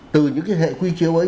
từ những cái hệ quy chiếu ấy